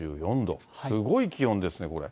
すごい気温ですね、これ。